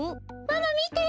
ママみて。